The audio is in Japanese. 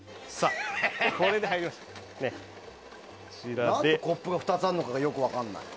何でコップが２つあるのかがよく分からない。